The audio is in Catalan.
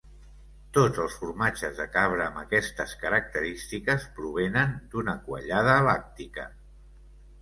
Tots els formatges de cabra amb aquestes característiques provenen d'una quallada làctica.